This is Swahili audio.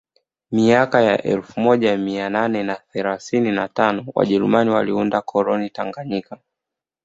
Miaka ya elfu moja mia nane na themanini na tano wajerumani waliunda koloni Tanganyika